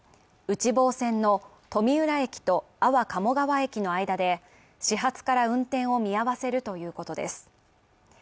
内房線の富浦駅と安房鴨川駅の間で始発から運転を見合わせるということです。